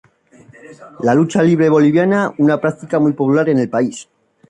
La lucha libre boliviana una práctica muy popular en el país.